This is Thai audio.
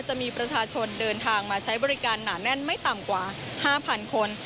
จะมีประชาชนเดินทางมาใช้บริการหนาแน่นไม่ต่ำกว่า๕๐๐คน